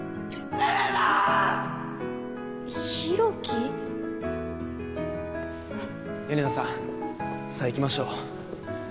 エレナさんさあ行きましょう。